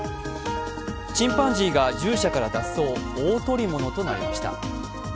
チンパンジーが獣舎から脱走大捕り物となりました。